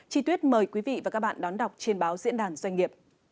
chị tuyết mời quý vị và các bạn đón đọc trên báo diễn đàn doanh nghiệp